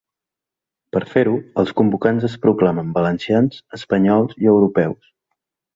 Per fer-ho, els convocants es proclamen valencians, espanyols i europeus.